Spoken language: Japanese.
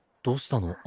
どうしたの？